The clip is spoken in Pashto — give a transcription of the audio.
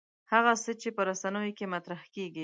هغه څه چې په رسنیو کې مطرح کېږي.